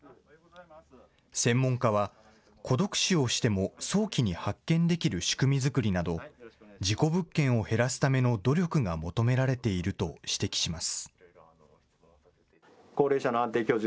専門家は、孤独死をしても早期に発見できる仕組み作りなど、事故物件を減らすための努力が求められていると指摘します。